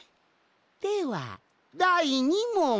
ではだい２もん。